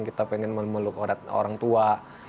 kita pengen memeluk orang tua